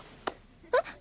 えっ？